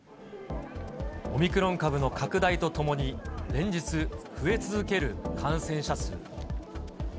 オミクロン株の拡大とともに、連日、増え続ける感染者数。